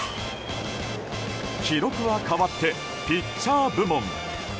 記録はかわってピッチャー部門。